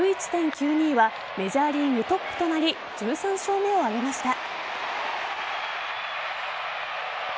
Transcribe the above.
１１．９２はメジャーリーグトップとなり１３勝目を挙げました。